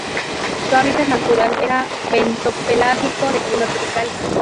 Su hábitat natural era bentopelágico de clima tropical.